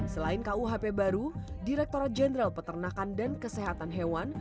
selain kuhp baru direkturat jenderal peternakan dan kesehatan hewan